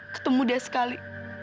ketemu dia sekali